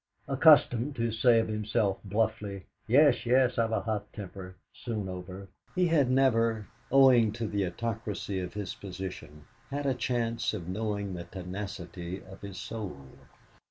Accustomed to say of himself bluffly, "Yes, yes; I've a hot temper, soon over," he had never, owing to the autocracy of his position, had a chance of knowing the tenacity of his soul.